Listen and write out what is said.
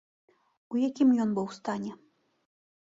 У якім ён быў стане?